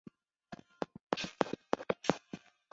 乌来棒粉虱为粉虱科棒粉虱属下的一个种。